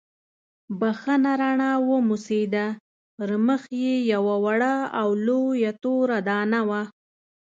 بښنه رڼا وموسېده، پر مخ یې یوه وړه او لویه توره دانه وه.